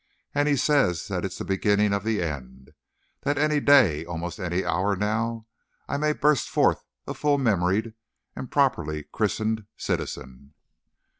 And he says that it's the beginning of the end. That any day, almost any hour now, I may burst forth a full memoried and properly christened citizen."